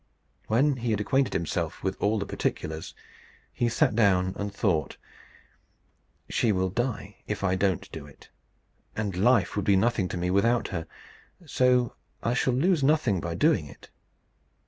When he had acquainted himself with all the particulars, he sat down and thought, "She will die if I don't do it, and life would be nothing to me without her; so I shall lose nothing by doing it.